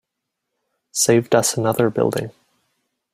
Saved us another building.